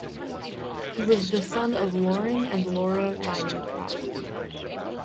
He was the son of Loring and Laura (Vining) Pratt.